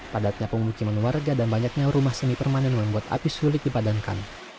padatnya pemukiman warga dan banyaknya rumah semi permanen membuat api sulit dipadamkan